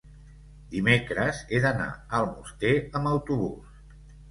dimecres he d'anar a Almoster amb autobús.